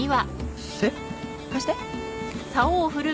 貸して。